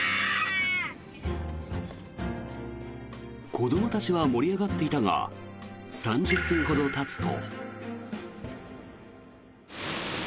子どもたちは盛り上がっていたが３０分ほどたつと。